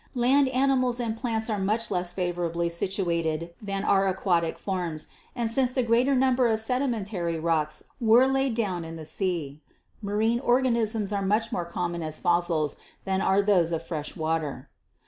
Land animals and plants are much less favorably situated than are aquatic forms, and since the greater number of sedimentary rocks were laid down in the sea marine organisms are much more common as fossils than are those of fresh water.